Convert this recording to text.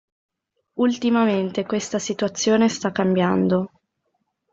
Ultimamente questa situazione sta cambiando.